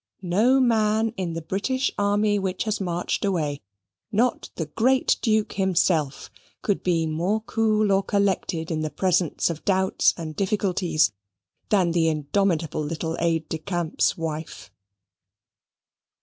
No man in the British army which has marched away, not the great Duke himself, could be more cool or collected in the presence of doubts and difficulties, than the indomitable little aide de camp's wife.